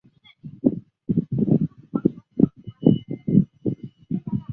其表弟战玉飞也曾经效力过三商虎队及兴农牛队。